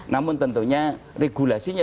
namun tentunya regulasinya